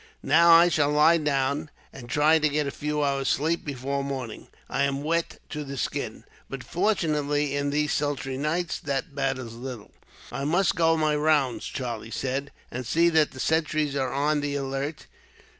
"Now I shall lie down, and try to get a few hours' sleep before morning. I am wet to the skin, but fortunately in these sultry nights that matters little." "I must go my rounds," Charlie said, "and see that the sentries are on the alert.